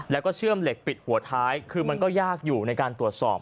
แล้วก็เชื่อมเหล็กปิดหัวท้ายคือมันก็ยากอยู่ในการตรวจสอบ